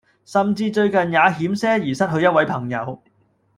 甚至最近也險些兒失去一位朋友